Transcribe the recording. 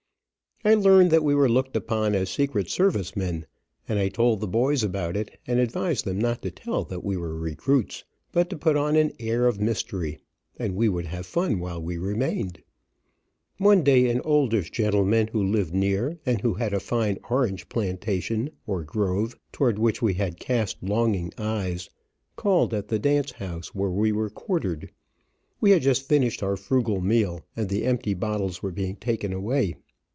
I learned that we were looked upon as secret service men, and I told the boys about it, and advised them not to tell that we were recruits, but to put on an air of mystery, and we would have fun while we remained. One day an oldish gentleman who lived near, and who had a fine orange plantation, or grove, toward which we had cast longing eyes, called at the dance house where we were quartered. We had just finished our frugal meal, and the empty bottles were being taken away.